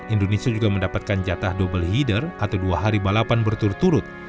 indonesia juga mendapatkan jatah double header atau dua hari balapan berturut turut